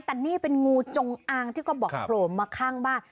แต่นี่เป็นงูจงอางที่เขาบอกโผล่มาข้างบ้าน